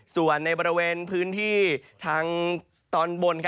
ส่วนในบริเวณพื้นที่ทางตอนบน